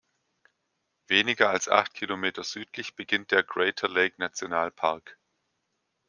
Weniger als acht Kilometer südlich beginnt der Crater-Lake-Nationalpark.